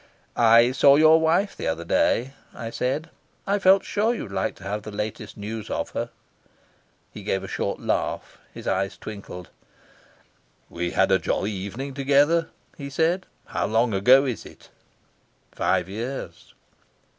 "I saw your wife the other day," I said. "I felt sure you'd like to have the latest news of her." He gave a short laugh. His eyes twinkled. "We had a jolly evening together," he said. "How long ago is it?" "Five years."